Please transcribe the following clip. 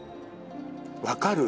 分かる？